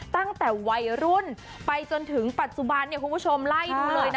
ตั้งแต่วัยรุ่นไปจนถึงปัจจุบันเนี่ยคุณผู้ชมไล่ดูเลยนะ